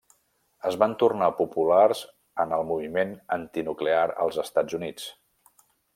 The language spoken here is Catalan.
Es van tornar populars en el moviment antinuclear als Estats Units.